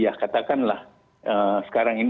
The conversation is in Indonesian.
ya katakanlah sekarang ini enam puluh tujuh